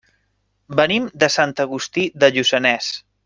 Venim de Sant Agustí de Lluçanès.